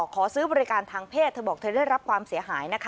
ขอซื้อบริการทางเพศค้าบอกว่าแอปพลิเคชันได้รับความเสียหายนะคะ